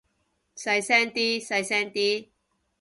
細聲啲，細聲啲